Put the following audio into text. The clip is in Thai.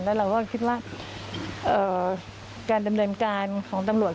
แล้วเราก็คิดว่าการดำเนินการของตำรวจ